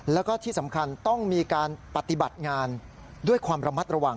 แล้วก็ที่สำคัญต้องมีการปฏิบัติงานด้วยความระมัดระวัง